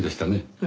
ええ。